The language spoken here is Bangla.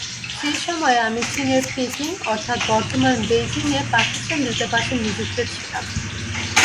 সেই সময়ে আমি চীনের পিকিং, অর্থাৎ বর্তমান বেইজিংয়ে পাকিস্তান দূতাবাসে নিযুক্ত ছিলাম।